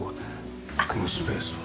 このスペースは？